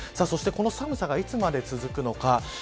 そしてこの寒さがいつまで続くのか。